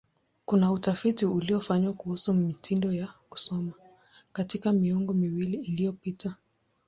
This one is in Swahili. Kuna utafiti uliofanywa kuhusu mitindo ya kusoma katika miongo miwili iliyopita.